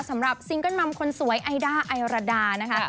สำหรับซิงเกิ้ลมัมคนสวยไอด้าไอราดานะคะ